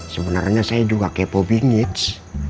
sebenarnya saya juga kepo bingits